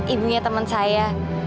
ibunya temen saya